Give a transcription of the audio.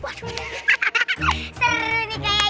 gimana kalau kita mandi bang